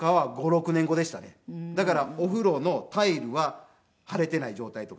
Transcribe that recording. だからお風呂のタイルは貼れていない状態とか。